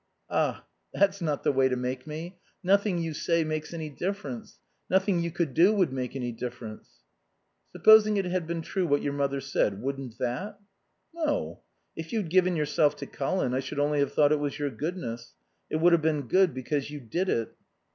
"Ah, that's not the way to make me. Nothing you say makes any difference. Nothing you could do would make any difference." "Supposing it had been true what your mother said, wouldn't that?" "No. If you'd given yourself to Colin I should only have thought it was your goodness. It would have been good because you did it."